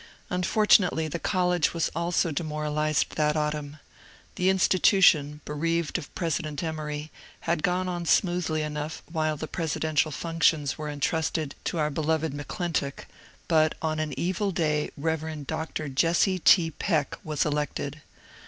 Unfortunately the college also was demoralized that au tumn. The institution, bereaved of President Emory, had gone on smoothly enough while the presidential functions were entrusted to our beloved M'Clintock, but on an evil day Rev. Dr. Jesse T. Peck was elected.